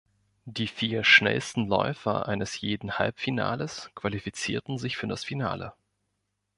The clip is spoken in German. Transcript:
Die vier schnellsten Läufer eines jeden Halbfinales qualifizierten sich für das Finale.